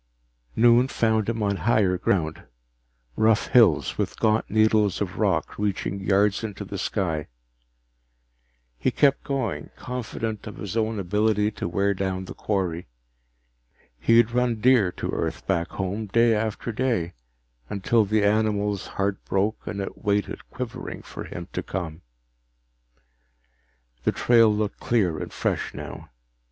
Noon found him on higher ground, rough hills with gaunt needles of rock reaching yards into the sky. He kept going, confident of his own ability to wear down the quarry. He'd run deer to earth back home, day after day until the animal's heart broke and it waited quivering for him to come. The trail looked clear and fresh now.